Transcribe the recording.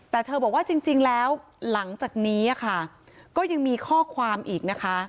แต่เธอบอกว่าจริงแล้วหลังจากนี้ค่ะก็ยังมีข้อความอีกนะคะ